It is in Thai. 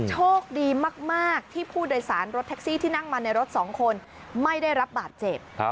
โชคดีมากที่ผู้โดยสารรถแท็กซี่ที่นั่งมาในรถสองคนไม่ได้รับบาดเจ็บ